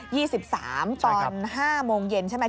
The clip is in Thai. ขอบคุณค่ะ